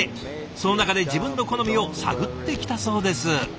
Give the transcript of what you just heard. その中で自分の好みを探ってきたそうです。